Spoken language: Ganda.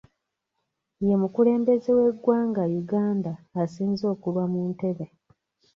Ye mukulembeze w'eggwanga Uganda asinze okulwa mu ntebe